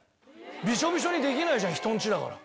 ビショビショにできないじゃん人んちだから。